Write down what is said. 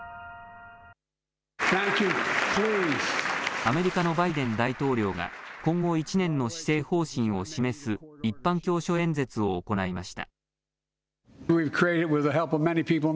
アメリカのバイデン大統領が今後１年の施政方針を示す一般教書演説を行いました。